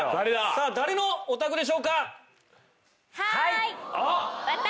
さあ誰のお宅でしょうか？